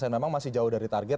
memang masih jauh dari target